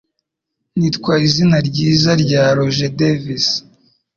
Nitwa Izina Ryiza rya Roger Davis